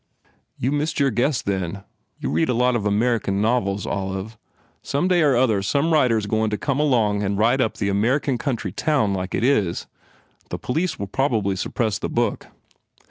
"You missed your guess, then. You read a lot of American novels, Olive. Some day or other some writer s goin to come along and write up an American country town like it is. The police will probably suppress the book.